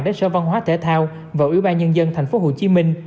đến sở văn hóa thể thao và ủy ban nhân dân tp hcm